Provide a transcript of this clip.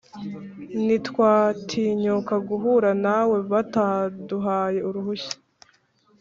ntitwatinyuka guhura nawe bataduhaye uruhushya